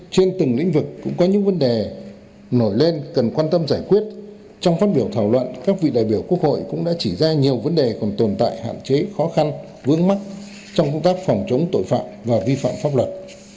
trên từng lĩnh vực cũng có những vấn đề nổi lên cần quan tâm giải quyết trong phát biểu thảo luận các vị đại biểu quốc hội cũng đã chỉ ra nhiều vấn đề còn tồn tại hạn chế khó khăn vướng mắt trong công tác phòng chống tội phạm và vi phạm pháp luật